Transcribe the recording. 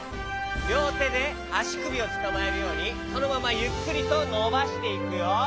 りょうてであしくびをつかまえるようにそのままゆっくりとのばしていくよ。